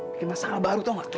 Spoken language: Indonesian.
bikin masalah baru tau nggak